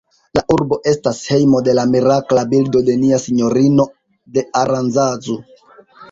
La urbo estas hejmo de la mirakla bildo de Nia Sinjorino de Aranzazu.